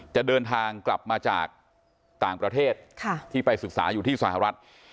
จะเดินทางกลับมาจากต่างประเทศที่ไปศึกษาอยู่ที่สหรัฐ